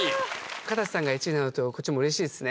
かたせさんが１位になるとこっちもうれしいっすね